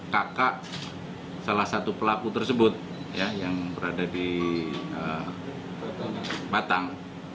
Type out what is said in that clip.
kakak salah satu pelaku tersebut yang berada di batang